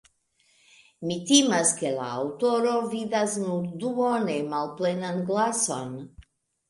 Mi timas, ke la aŭtoro vidas nur duone malplenan glason.